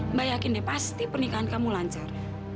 mbak yakin deh pasti pernikahan kamu lancar